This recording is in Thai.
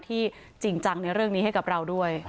ก็ต้องมีมาตรการที่จริงจังในเรื่องนี้ให้กับเราด้วย